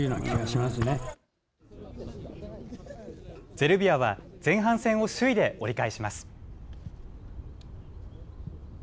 ゼルビアは前半戦を首位で折り返します。